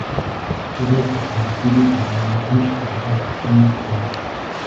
ښځه خوشاله کېږي چې د هر شي په باب پوښتنه ورڅخه وشي.